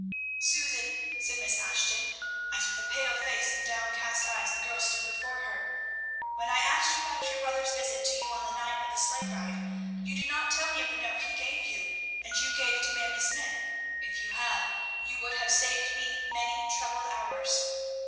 "Susan," said Miss Ashton, as with a pale face and downcast eyes the girl stood before her, "when I asked you about your brother's visit to you on the night of the sleigh ride, you did not tell me of the note he gave you, and you gave to Mamie Smythe. If you had, you would have saved me many troubled hours."